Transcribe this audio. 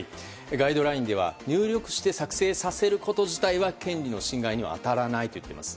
ガイドラインでは入力して作成させること自体は権利の侵害には当たらないといっています。